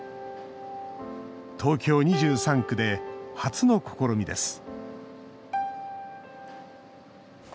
東京２３区で初の試みです